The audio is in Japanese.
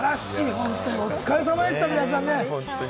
本当にお疲れさまでした、皆さん。